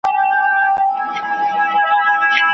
بیګاه می ټوله شپه له تا سره خواله کوله